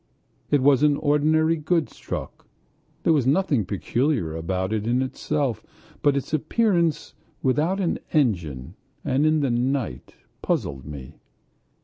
It was an ordinary goods truck. There was nothing peculiar about it in itself, but its appearance without an engine and in the night puzzled me.